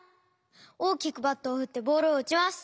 おおきくバットをふってボールをうちます。